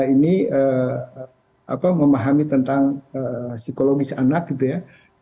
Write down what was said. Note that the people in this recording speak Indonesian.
ini memahami tentang psikologis anak gitu ya